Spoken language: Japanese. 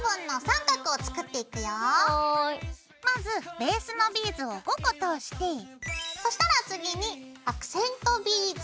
まずベースのビーズを５個通してそしたら次にアクセントビーズ。